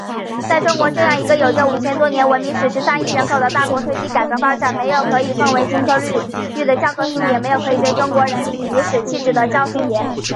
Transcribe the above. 在中国这样一个有着五千多年文明史，十三亿多人口的大国推进改革发展，没有可以奉为金科律玉的教科书，也没有可以对中国人民颐使气指的教师爷。